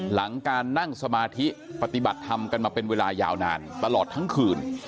หลังการนั่งสมาธิปฏิบัติธรรมกันมาเป็นเวลายาวนานตลอดทั้งคืน